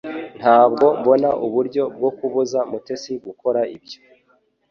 Ntabwo mbona uburyo bwo kubuza Mutesi gukora ibyo